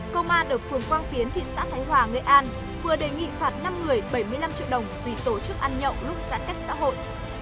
công an ở phường quang tiến thị xã thái hòa nghệ an vừa đề nghị phạt năm người bảy mươi năm triệu đồng vì tổ chức ăn nhậu lúc giãn cách xã hội